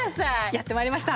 やって参りました。